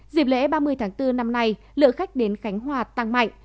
dịp lễ ba mươi tháng bốn năm nay lượng khách đến khánh hòa tăng mạnh